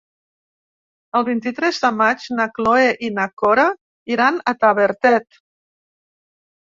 El vint-i-tres de maig na Cloè i na Cora iran a Tavertet.